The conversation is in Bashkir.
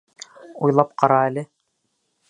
Уйлап ҡара әле.